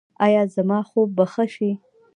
ایا زما خوب به ښه شي؟